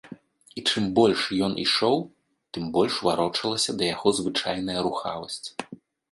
І чым больш ён ішоў, тым больш варочалася да яго звычайная рухавасць.